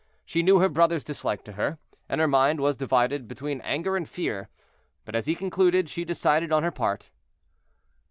She knew her brother's dislike to her, and her mind was divided between anger and fear. But as he concluded, she decided on her part.